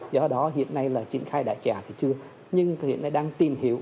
do đó hiện nay là triển khai đã trả thì chưa nhưng hiện nay đang tìm hiểu